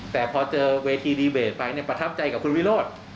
แต่พอเจอเวทีดีเบตไปประทับใจกับคุณวิโรธ